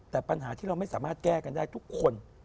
แต่ปัญหาที่เราไม่สามารถแก้กันได้ทุกคน